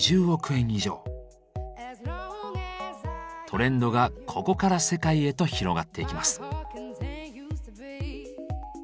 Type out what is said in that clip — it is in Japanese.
トレンドがここから世界へと広がっていきます。